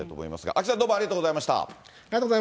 アキさん、どうもありがとうございました。